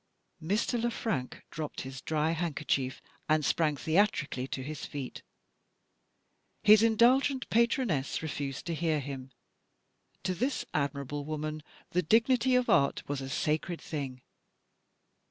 _ Mr. Le Frank dropped his dry handkerchief, and sprang theatrically to his feet. His indulgent patroness refused to hear him: to this admirable woman, the dignity of Art was a sacred thing.